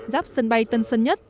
dắp sân bay tân sân nhất